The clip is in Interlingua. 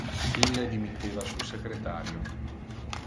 Ille dimitteva su secretario.